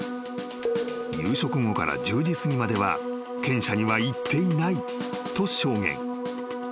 ［夕食後から１０時すぎまでは犬舎には行っていないと証言］